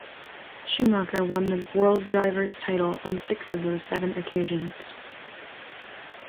Schumacher won the world drivers' title on six of those seven occasions.